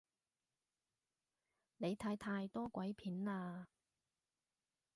你睇太多鬼片喇